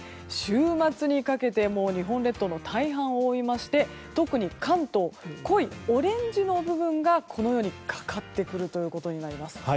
週末にかけて日本列島の大半を覆いまして特に関東、濃いオレンジの部分がかかってくるということになります。